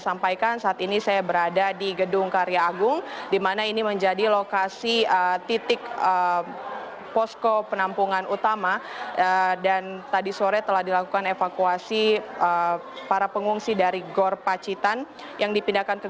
sampai saat ini bpbd bersama dengan relawan dan juga pemerintah bekerjasama untuk terus memanfaatkan